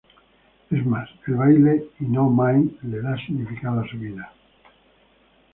Es más, el baile y no Mai, le da significado a su vida.